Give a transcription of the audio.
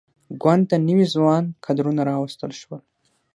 ګوند ته نوي ځوان کدرونه راوستل شول.